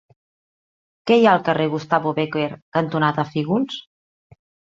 Què hi ha al carrer Gustavo Bécquer cantonada Fígols?